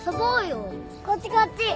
こっちこっち。